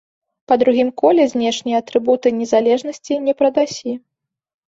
Па другім коле знешнія атрыбуты незалежнасці не прадасі.